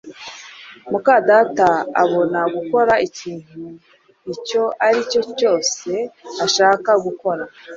muka data abona gukora ikintu icyo ari cyo cyose ashaka gukora